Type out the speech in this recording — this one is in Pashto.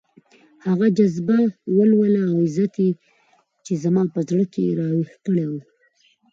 هغه جذبه، ولوله او عزت يې چې زما په زړه کې راويښ کړی وو.